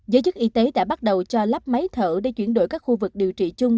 giới chức y tế đã bắt đầu cho lắp máy thở để chuyển đổi các khu vực điều trị chung